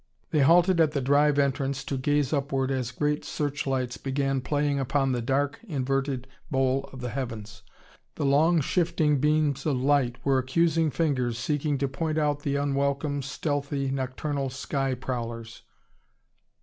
They halted at the drive entrance to gaze upward as great searchlights began playing upon the dark inverted bowl of the heavens. The long, shifting beams of light were accusing fingers seeking to point out the unwelcome, stealthy nocturnal sky prowlers.